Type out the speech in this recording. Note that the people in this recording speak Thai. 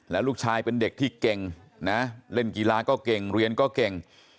แล้วลูกชายเป็นเด็กที่เก่งนะเล่นกีฬาก็เก่งเรียนก็เก่ง